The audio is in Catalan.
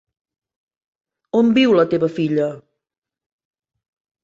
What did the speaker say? On viu la teva filla?